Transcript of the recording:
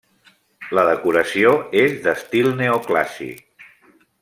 La decoració és d'estil neoclàssic.